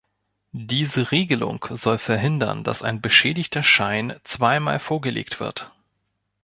Diese Regelung soll verhindern, dass ein beschädigter Schein zweimal vorgelegt wird.